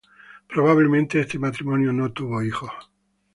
Probablemente, este matrimonio no tuvo hijos.